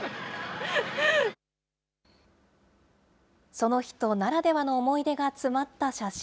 その人ならではの思い出が詰まった写真。